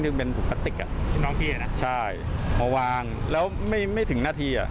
ถึงเป็นผูกปะติกอ่ะน้องพี่เนี่ยนะใช่มาวางแล้วไม่ไม่ถึงหน้าทีอ่ะ